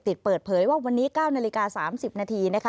เปิดเผยว่าวันนี้๙นาฬิกา๓๐นาทีนะคะ